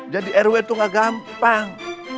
jadi rw tuh gak gampang